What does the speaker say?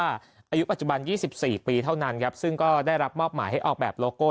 อายุปัจจุบัน๒๔ปีเท่านั้นครับซึ่งก็ได้รับมอบหมายให้ออกแบบโลโก้